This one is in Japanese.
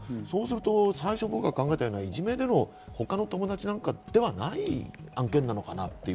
そうすると最初に僕は考えたようにいじめでの他の友達なんかではない案件なのかな。